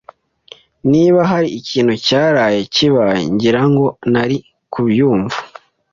Niba hari ikintu cyaraye kibaye, ngira ngo nari kubyumva.